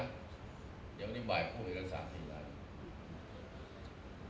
เดี๋ยววันนี้บ่ายพูดให้กัน๓๔ละ